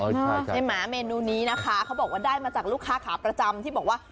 ใช่ไหมเมนูนี้นะคะเขาบอกว่าได้มาจากลูกค้าขาประจำที่บอกว่า